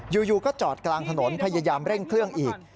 อยู่ก็จอดกลางถนนพยายามเร่งเครื่องอีก